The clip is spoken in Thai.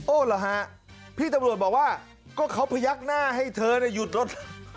เหรอฮะพี่ตำรวจบอกว่าก็เขาพยักหน้าให้เธอหยุดรถ